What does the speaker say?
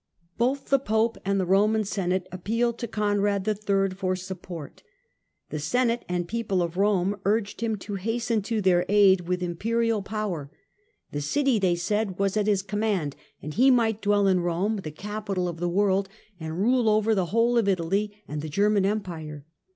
Both the Pope and the Roman Senate appealed to Conrad III. for support. The "Senate and People of Rome" urged him to hasten to their aid with imperial 134 THE CENTRAL PERIOD OF THE MIDDLE AGE •power. The city, they said, was at his command, and he might dwell in Rome, the capital of the world, and rule over the whole of Italy and the German Empire.